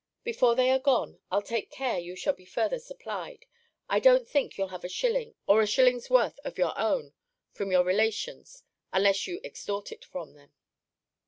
Before they are gone, I'll take care you shall be further supplied. I don't think you'll have a shilling or a shilling's worth of your own from your relations, unless you extort it from them.